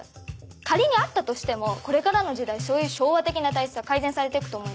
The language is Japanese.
仮にあったとしてもこれからの時代そういう昭和的な体質は改善されていくと思います。